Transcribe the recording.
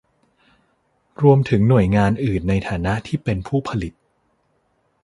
รวมถึงหน่วยงานอื่นในฐานะที่เป็นผู้ผลิต